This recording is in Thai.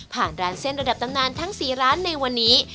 ผ่านร้านเส้นระดับนี้ทั้งนี้